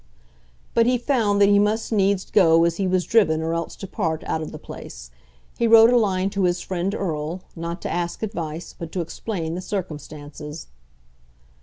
But he found that he must needs go as he was driven or else depart out of the place. He wrote a line to his friend Erle, not to ask advice, but to explain the circumstances.